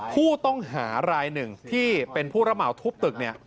ผู้ต้องหารายหนึ่งที่เป็นผู้ระเหมาทุบตึกเนี่ย